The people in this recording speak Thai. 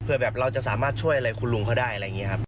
เพื่อแบบเราจะสามารถช่วยอะไรคุณลุงเขาได้อะไรอย่างนี้ครับ